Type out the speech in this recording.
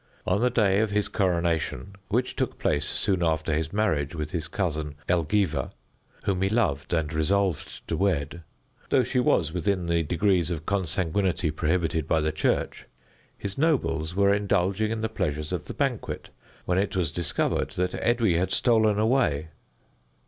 On the day of his coronation, which took place soon after his marriage with his cousin Elgiva, whom he loved and resolved to wed, though she was within the degrees of consanguinity prohibited by the Church, his nobles were indulging in the pleasures of the banquet, when it was discovered that Edwy had stolen away.